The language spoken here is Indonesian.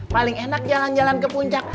paling enak jalan jalan ke puncak